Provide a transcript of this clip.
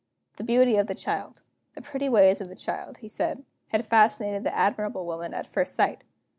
The beauty of the child, the pretty ways of the child, he said, fascinated the admirable woman at first sight.